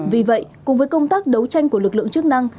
vì vậy cùng với công tác đấu tranh của lực lượng chức năng